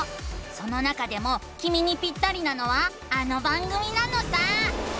その中でもきみにピッタリなのはあの番組なのさ！